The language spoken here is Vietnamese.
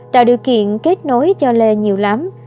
tạo điều kiện kết nối cho lê nhiều lắm